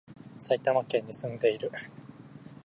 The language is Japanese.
埼玉県に住んでいる